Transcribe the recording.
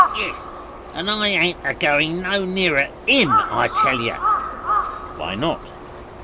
"Yes, and I ain't a goin' no nearer IM, I tell yer." "Why not?"